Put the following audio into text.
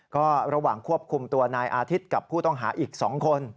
ก็ระหว่างควบคุมตัวนายอาทิตย์กับผู้ต้องหาอีก๒คน